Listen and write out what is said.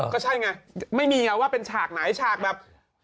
ยังนี้ไม่ใช่ไงไม่มียังไงว่าเป็นฉากไหนฉากแบบ